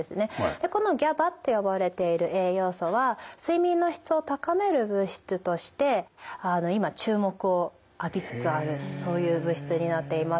でこのＧＡＢＡって呼ばれている栄養素は睡眠の質を高める物質として今注目を浴びつつあるという物質になっています。